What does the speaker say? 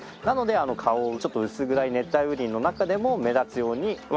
なので顔をちょっと薄暗い熱帯雨林の中でも目立つように。